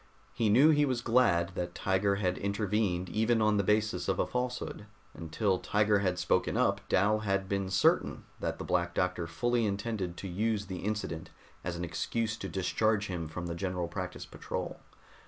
He knew he was glad that Tiger had intervened even on the basis of a falsehood; until Tiger had spoken up Dal had been certain that the Black Doctor fully intended to use the incident as an excuse to discharge him from the General Practice Patrol.